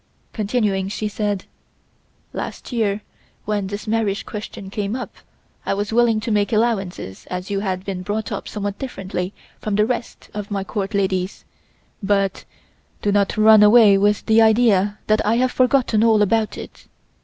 Continuing, she said: "Last year when this marriage question came up I was willing to make allowances as you had been brought up somewhat differently from the rest of my Court ladies, but do not run away with the idea that I have forgotten all about it.